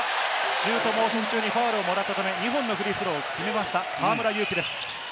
シュートモーション中にファウルをもらったため日本のフリースローを決めました、河村勇輝です。